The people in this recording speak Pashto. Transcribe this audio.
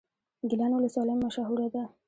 ګیلان ولسوالۍ مشهوره ده؟